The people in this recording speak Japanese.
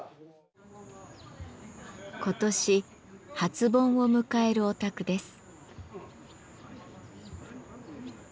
今年初盆を迎えるお宅です。